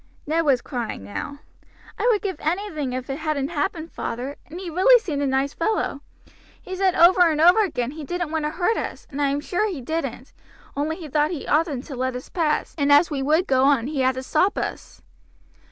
Ned was crying now. "I would give anything if it hadn't happened, father, and he really seemed a nice fellow. He said over and over again he didn't want to hurt us, and I am sure he didn't, only he thought he oughtn't to let us pass, and as we would go on he had to stop us."